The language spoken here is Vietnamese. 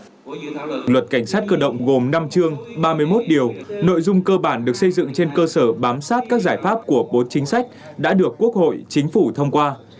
trong đó luật cảnh sát cơ động gồm năm chương ba mươi một điều nội dung cơ bản được xây dựng trên cơ sở bám sát các giải pháp của bốn chính sách đã được quốc hội chính phủ thông qua